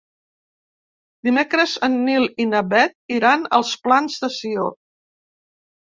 Dimecres en Nil i na Bet iran als Plans de Sió.